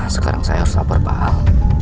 sekarang saya harus abur paham